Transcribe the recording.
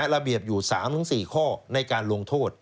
ระเบียบอยู่๓๔ข้อในการลงโทษ